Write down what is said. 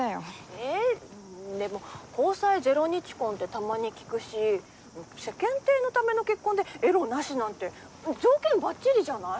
えでも交際０日婚ってたまに聞くし世間体のための結婚でエロなしなんて条件バッチリじゃない？